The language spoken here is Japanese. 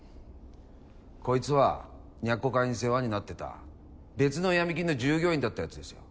こいつは若琥会に世話になってた別の闇金の従業員だったやつですよ。